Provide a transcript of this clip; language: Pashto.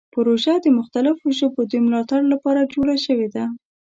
پروژه د مختلفو ژبو د ملاتړ لپاره جوړه شوې ده.